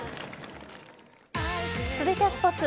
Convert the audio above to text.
続いてはスポーツ。